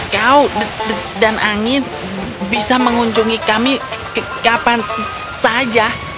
kau dan angin bisa mengunjungi kami kapan saja